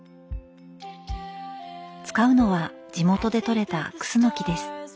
使うのは地元でとれたクスノキです。